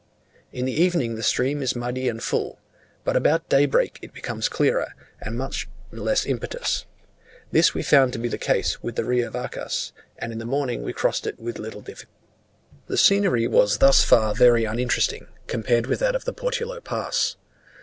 In the evening the stream is muddy and full, but about daybreak it becomes clearer, and much less impetuous. This we found to be the case with the Rio Vacas, and in the morning we crossed it with little difficulty. The scenery thus far was very uninteresting, compared with that of the Portillo pass.